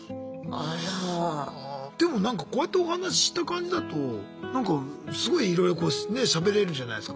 でもこうやってお話しした感じだとなんかすごいいろいろこうしゃべれるじゃないすか。